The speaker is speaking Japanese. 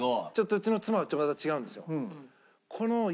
うちの妻はまた違うんですよ。